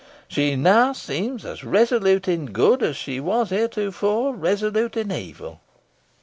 She now seems as resolute in good as she was heretofore resolute in evil."